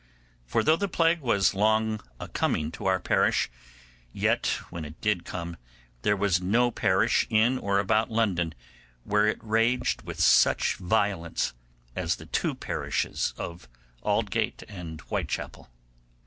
For though the plague was long a coming to our parish, yet, when it did come, there was no parish in or about London where it raged with such violence as in the two parishes of Aldgate and Whitechappel.